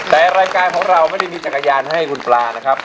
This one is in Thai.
แต่รายการของเราไม่ได้มีจักรยานให้คุณปลานะครับ